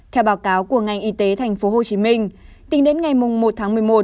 theo báo cáo của ngành y tế thành phố hồ chí minh tính đến ngày mùng một tháng một mươi một